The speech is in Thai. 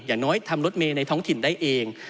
อย่างน้อยทำรถเมย์ในท้องถิ่นได้เอง